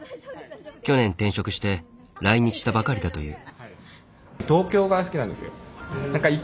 去年転職して来日したばかりだという。